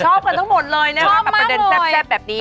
ชอบกันทั้งหมดเลยนะคะกับประเด็นแซ่บแบบนี้